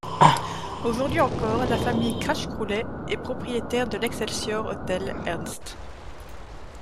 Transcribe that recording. Aujourd´hui encore, la famille Kracht-Roulet est propriétaire de l´Excelsior Hotel Ernst.